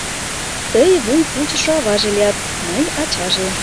Тый вуй пулчышо аваже лият, мый — ачаже.